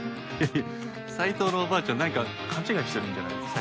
いや斉藤のおばあちゃん何か勘違いしてるんじゃないですか？